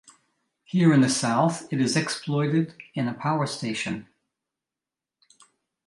Here in the south, it is exploited in a power station.